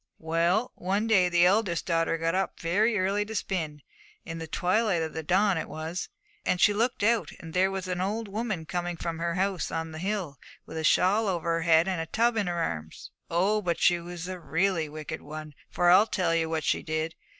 'Well, one day, the eldest daughter got up very early to spin in the twilight of the dawn it was and she looked out, and there was the old woman coming from her house on the hill, with a shawl over her head and a tub in her arms. Oh, but she was a really wicked one! for I'll tell you what she did.